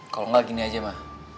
kalo enggak gini aja ma